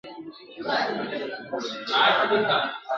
په خپل زور په خپل تدبیر مي خپل تقدیر ځانته لیکمه !.